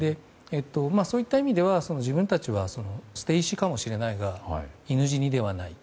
そういった意味では自分たちは捨て石かもしれないが犬死ではない。